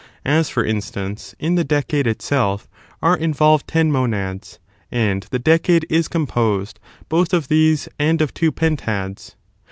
As, for instance, in the decade itself are involved ten monads, and the decade is composed both of these and of two pentads.